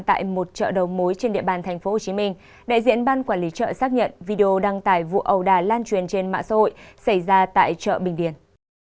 tại một chợ đầu mối trên địa bàn tp hcm đại diện ban quản lý chợ xác nhận video đăng tải vụ ầu đà lan truyền trên mạng xã hội xảy ra tại chợ bình điền